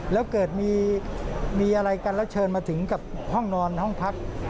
แล้วเกิดมีอะไรกันแล้วเชิญมาถึงกับห้องนอนห้องพัก